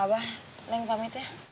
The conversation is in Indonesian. abah neng pamit ya